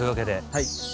はい。